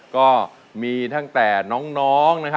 ก็มีท่าน้อง